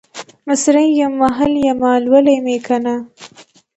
مصریم ، محل یمه ، لولی مې کنه